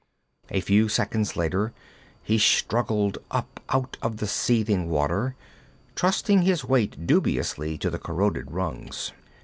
A few seconds later he struggled up out of the seething water, trusting his weight dubiously to the corroded rungs.